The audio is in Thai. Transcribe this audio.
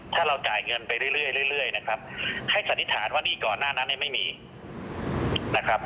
ถ้าเราจ่ายเงินไปเรื่อยนะครับให้สันนิษฐานว่านี่ก่อนหน้านั้นเนี่ยไม่มีนะครับ